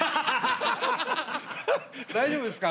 大丈夫ですか？